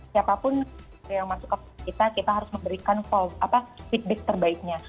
siapapun yang masuk ke kita kita harus memberikan feedback terbaiknya